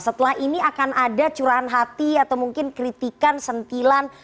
setelah ini akan ada curahan hati atau mungkin kritikan sentilan